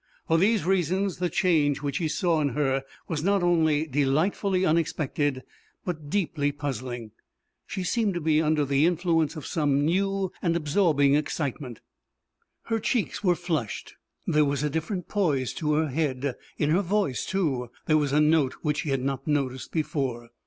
For these reasons the change which he saw in her was not only delightfully unexpected but deeply puzzling. She seemed to be under the influence of some new and absorbing excitement. Her cheeks were flushed. There was a different poise to her head; in her voice, too, there was a note which he had not noticed before.